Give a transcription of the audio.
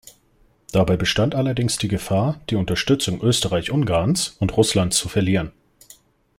Dabei bestand allerdings die Gefahr, die Unterstützung Österreich-Ungarns und Russlands zu verlieren.